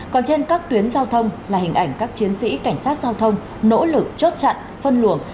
còn trên các tuyến giao thông là hình ảnh các chiến sĩ cảnh sát giao thông nỗ lực chốt chặn phân luồng